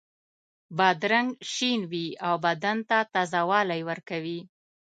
بادرنګ شین وي او بدن ته تازه والی ورکوي.